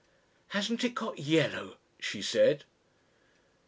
"Hasn't it got yellow?" she said.